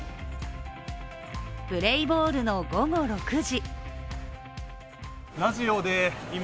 プレーボールの午後６時。